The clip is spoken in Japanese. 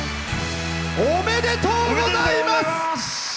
おめでとうございます！